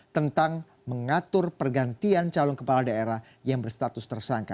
tentang mengatur pergantian calon kepala daerah yang berstatus tersangka